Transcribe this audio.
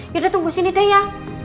yaudah tunggu sini deh ya